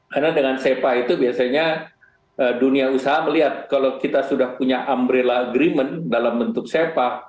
karena dengan sepa itu biasanya dunia usaha melihat kalau kita sudah punya umbrella agreement dalam bentuk sepa